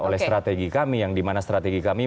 oleh strategi kami yang dimana strategi kami